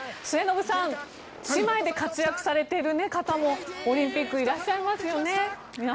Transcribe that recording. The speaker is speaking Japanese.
末延さん姉妹で活躍されている方もオリンピックにいらっしゃいますね。